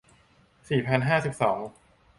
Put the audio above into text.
สี่พันห้าสิบสอง